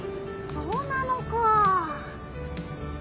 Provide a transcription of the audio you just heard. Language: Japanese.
そうなのかあ。